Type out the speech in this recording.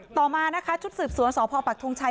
ต่อมาจุศึกศุอสศพปรัชทุงชัย